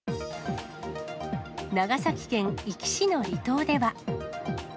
長崎県壱岐市の離島では。